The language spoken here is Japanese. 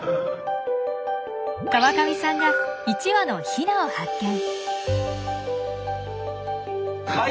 川上さんが１羽のヒナを発見。